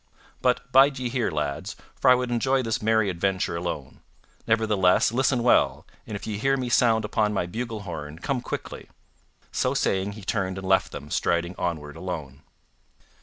But bide ye here, lads, for I would enjoy this merry adventure alone. Nevertheless, listen well, and if ye hear me sound upon my bugle horn, come quickly." So saying, he turned and left them, striding onward alone.